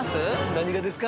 何がですか？